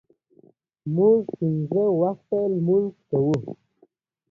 ازادي راډیو د عدالت بدلونونه څارلي.